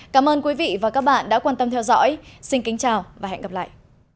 cảm ơn quý vị và các bạn đã quan tâm theo dõi xin kính chào và hẹn gặp lại